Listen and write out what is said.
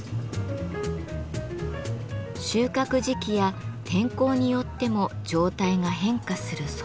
収穫時期や天候によっても状態が変化する蕎麦粉。